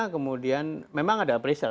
kemudian memang ada appraisal